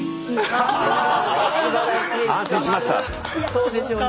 そうでしょうね。